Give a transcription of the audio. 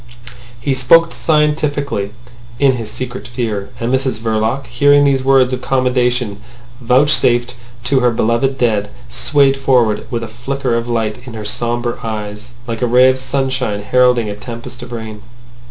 He spoke scientifically in his secret fear. And Mrs Verloc, hearing these words of commendation vouchsafed to her beloved dead, swayed forward with a flicker of light in her sombre eyes, like a ray of sunshine heralding a tempest of rain.